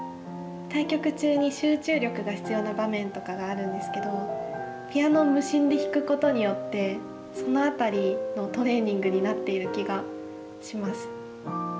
対局中に集中力が必要な場面とかがあるんですけどピアノを無心で弾くことによってその辺りのトレーニングになっている気がします。